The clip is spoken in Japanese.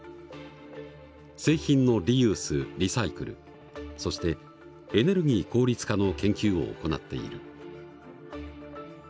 製品のリユースリサイクルそしてエネルギー効率化の研究を行っている。